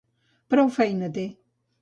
Prou feina té.